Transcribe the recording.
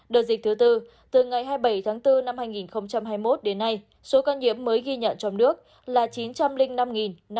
đợt dịch thứ bốn từ ngày hai mươi bảy tháng bốn năm hai nghìn hai mươi một đến nay số ca nhiễm mới ghi nhận trong nước là chín trăm linh năm năm trăm năm mươi tám ca